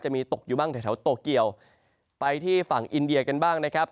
มีตกอยู่บ้างแถวโตเกียวไปที่ฝั่งอินเดียกันบ้างนะครับ